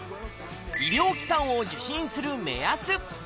医療機関を受診する目安。